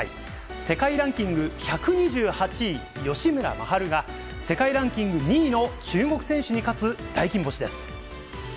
世界ランキング１２８位吉村真晴が世界ランキング２位の中国選手に勝つ大金星です。